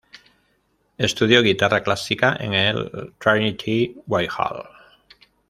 Estudió guitarra clásica en el Trinity Guildhall.